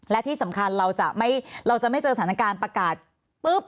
และที่สำคัญเราจะไม่เจอสถานการณ์ประกาศปุ๊บ